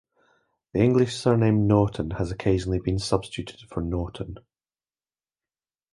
The English surname Norton has occasionally been substituted for Naughton.